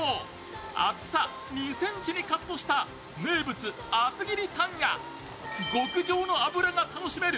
厚さ２ｃｍにカットした名物厚切りタンや極上の脂が楽しめる